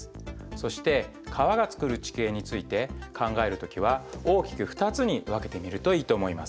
そして川がつくる地形について考える時は大きく２つに分けてみるといいと思います。